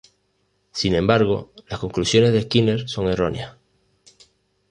Sin embargo, las conclusiones de Skinner son erróneas.